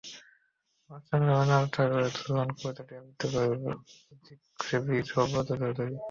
অনুষ্ঠানে রবীন্দ্রনাথ ঠাকুরের ঝুলন কবিতাটি আবৃত্তি করেন বাচিক শিল্পী সুব্রত চৌধুরি।